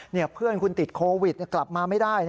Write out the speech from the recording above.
เพื่อนคุณติดโควิดกลับมาไม่ได้